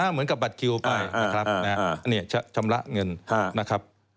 เหมือนกับบัตรคิวไปนะครับชำระเงินนะครับ